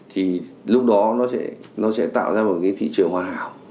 thì lúc đó nó sẽ tạo ra một cái thị trường hoàn hảo